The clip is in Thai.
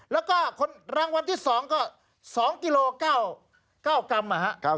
แล้วก็คนรางวัลที่๒ก็๒กิโล๙กรัมนะครับ